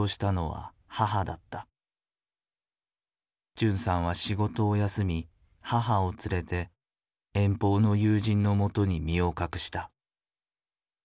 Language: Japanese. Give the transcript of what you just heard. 純さんは仕事を休み母を連れて遠方の友人のもとに身を隠した。